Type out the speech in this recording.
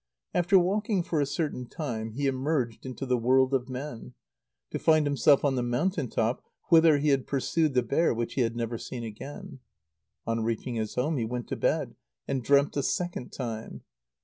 After walking for a certain time, he emerged into the world of men, to find himself on the mountain top, whither he had pursued the bear which he had never seen again. On reaching his home, he went to bed, and dreamt a second time.